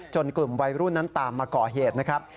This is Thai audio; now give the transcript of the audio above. กลุ่มวัยรุ่นนั้นตามมาก่อเหตุนะครับ